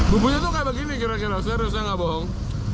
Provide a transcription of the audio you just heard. bumbunya tuh kayak begini kira kira seriusnya nggak bohong